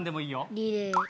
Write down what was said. リレー！